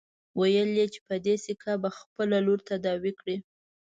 ويل يې چې په دې سيکه به خپله لور تداوي کړي.